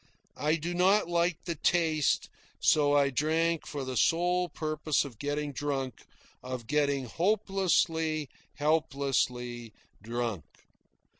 I did not like the taste, so I drank for the sole purpose of getting drunk, of getting hopelessly, helplessly drunk.